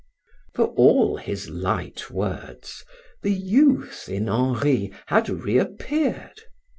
For all his light words, the youth in Henri had reappeared.